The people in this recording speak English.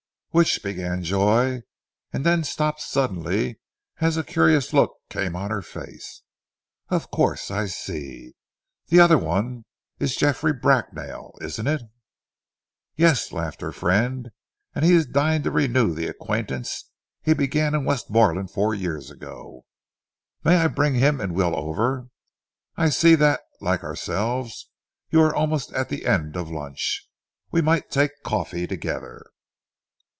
"Which " began Joy, and then stopped suddenly, as a curious look came on her face. "Of course! I see! The other one is Geoffrey Bracknell, isn't it?" "Yes," laughed her friend, "and he is dying to renew the acquaintance he began in Westmorland four years ago! May I bring him and Will over? I see that, like ourselves, you are almost at the end of lunch. We might take coffee together."